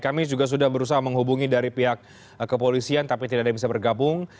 kami juga sudah berusaha menghubungi dari pihak kepolisian tapi tidak ada yang bisa bergabung